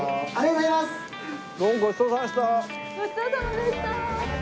ごちそうさまでした。